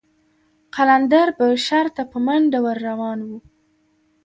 قلندر به شر ته په منډه ور روان و.